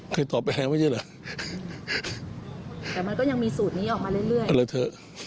เคยต่อไปแหลงไม่ใช่เหรอ